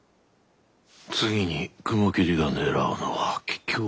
次に雲霧が狙うのは桔梗屋か。